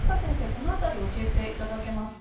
その辺りを教えていただけますか？